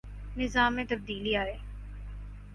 نظام میں تبدیلی آئے۔